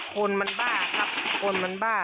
คนมันบ้าครับคนมันบ้า